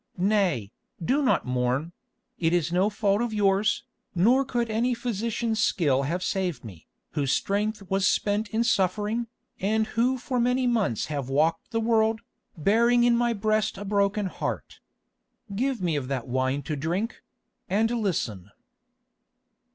Nay, do not mourn; it is no fault of yours, nor could any physician's skill have saved me, whose strength was spent in suffering, and who for many months have walked the world, bearing in my breast a broken heart. Give me of that wine to drink—and listen."